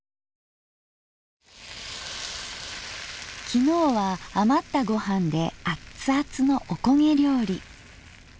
昨日は余ったごはんでアッツアツのおこげ料理。